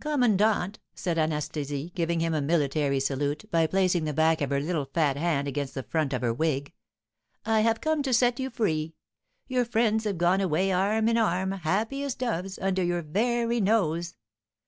"Commandant," said Anastasie, giving him a military salute, by placing the back of her little fat hand against the front of her wig, "I have come to set you free. Your friends have gone away arm in arm, happy as doves, under your very nose.